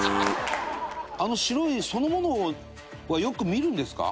あの白いそのものはよく見るんですか？